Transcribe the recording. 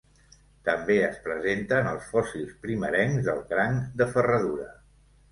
També es presenta en els fòssils primerencs del cranc de ferradura.